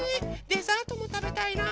デザートもたべたいな。